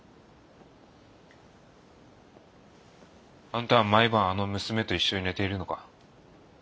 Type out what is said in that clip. あんたは毎晩あの娘と一緒に寝ているのか？